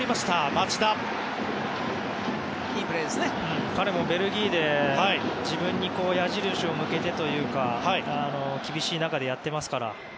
町田はベルギーで自分に矢印を向けてというか厳しい中でやっていますから。